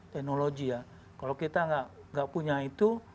teknologi ya kalau kita nggak punya itu